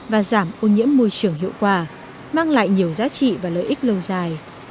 và giảm ô nhiễm môi trường hiệu quả mang lại nhiều giá trị và lợi ích lâu dài